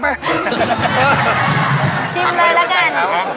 ชิมเลยละกัน